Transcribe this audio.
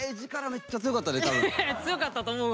めっちゃ強かったと思う。